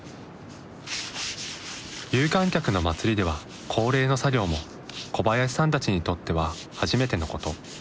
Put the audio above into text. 有観客の祭りでは恒例の作業も小林さんたちにとっては初めてのこと。